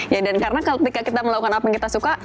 ya dan karena ketika kita melakukan apa yang kita suka